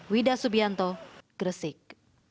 wida subianto gresik